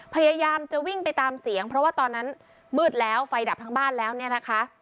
พยายามจะวิ่งไปตามเสียงเพราะว่าตอนนั้นมืดแล้วไฟดับทั้งบ้านแล้วเนี่ยนะคะ